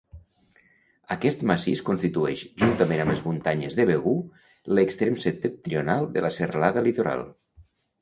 Aquest massís constitueix, juntament amb les muntanyes de Begur, l'extrem septentrional de la Serralada Litoral.